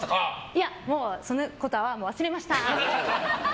いや、そのことは忘れました！